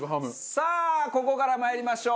さあここからまいりましょう！